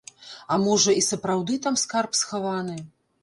А можа, і сапраўды там скарб схаваны?